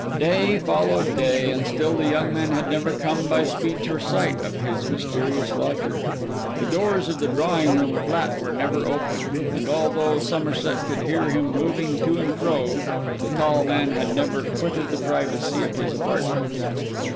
Day followed day; and still the young man had never come by speech or sight of his mysterious lodger. The doors of the drawing room flat were never open; and although Somerset could hear him moving to and fro, the tall man had never quitted the privacy of his apartments.